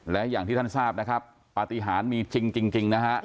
และอย่างที่ท่านทราบนะครับปฏิหารมีจริงนะฮะ